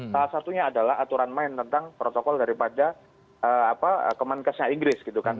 salah satunya adalah aturan main tentang protokol daripada kemenkesnya inggris gitu kan